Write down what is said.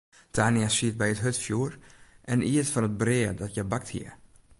Tania siet by it hurdfjoer en iet fan it brea dat hja bakt hie.